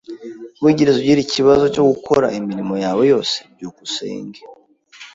Wigeze ugira ikibazo cyo gukora imirimo yawe yose? byukusenge